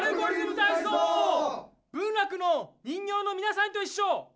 文楽の人形のみなさんといっしょ！